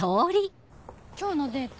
今日のデート